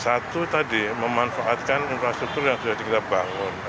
satu tadi memanfaatkan infrastruktur yang sudah kita bangun